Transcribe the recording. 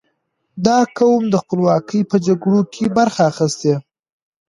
• دا قوم د خپلواکۍ په جګړو کې برخه اخیستې.